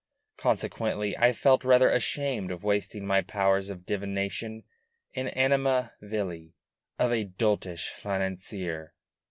Consequently I felt rather ashamed of wasting my powers of divination "in anima vili," of a doltish financier.